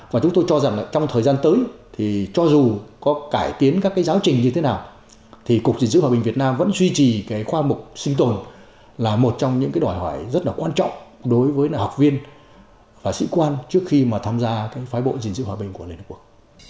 và chúng tôi cho rằng trong thời gian tới cho dù có cải tiến các giáo trình như thế nào thì cục dịch sử hòa bình việt nam vẫn duy trì khoa mục sinh tồn là một trong những đòi hỏi rất là quan trọng đối với học viên và sĩ quan trước khi tham gia phái bộ dịch sử hòa bình của liên hợp quốc